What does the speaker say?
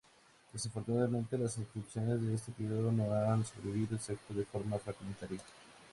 Desafortunadamente, las inscripciones de este período no han sobrevivido, excepto de forma fragmentaria.